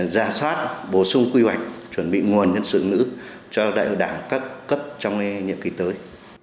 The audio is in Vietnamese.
ra soát bổ sung quy hoạch chuẩn bị nguồn nhân sự nữ cho đại hội đảng các cấp trong nhiệm kỳ tới